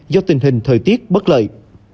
do tình hình thời tiết bất lợi